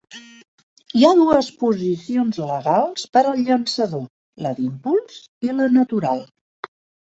Hi ha dues posicions legals per al llançador, la d'impuls i la natural.